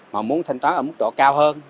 mà muốn thanh toán ở mức độ cao hơn